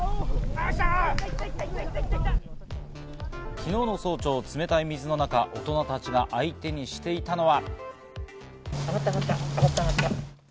昨日の早朝、冷たい水の中、大人たちが相手にしていたのは。